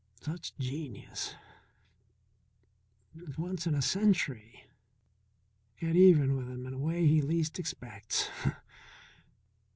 "... such genius ... once in a century ... get even with him in a way he least expects